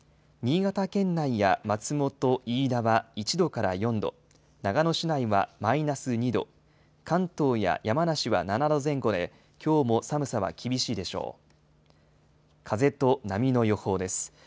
新潟県内や松本、飯田は１度から４度、長野市内はマイナス２度、関東や山梨は７度前後で、きょうも寒さは厳しいでしょう。